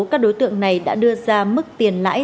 các đối tượng này đã đưa ra mức tiền lãi